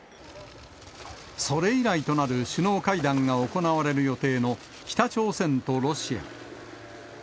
それ以来となる首脳会談が行われる予定の、北朝鮮とロシア。